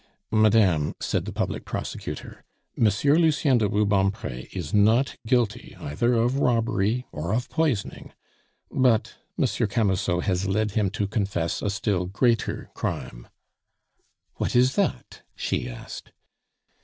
"Madame," said the public prosecutor, "Monsieur Lucien de Rubempre is not guilty either of robbery or of poisoning; but Monsieur Camusot has led him to confess a still greater crime." "What is that?" she asked.